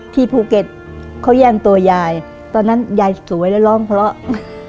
ภูเก็ตเขาแย่งตัวยายตอนนั้นยายสวยแล้วร้องเพราะ